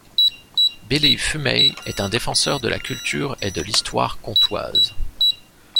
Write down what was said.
Billy Fumey est un défenseur de la culture et de l'histoire comtoises.